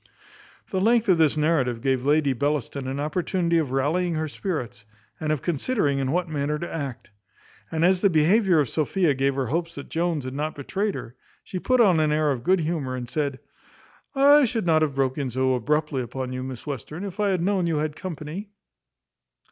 The length of this narrative gave Lady Bellaston an opportunity of rallying her spirits, and of considering in what manner to act. And as the behaviour of Sophia gave her hopes that Jones had not betrayed her, she put on an air of good humour, and said, "I should not have broke in so abruptly upon you, Miss Western, if I had known you had company."